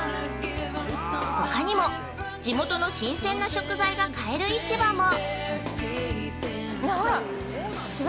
ほかにも地元の新鮮な食材が買える市場も。